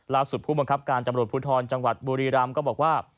ผู้บังคับการตำรวจภูทรจังหวัดบุรีรำก็บอกว่า